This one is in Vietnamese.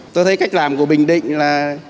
tôi thấy cách làm của bình định là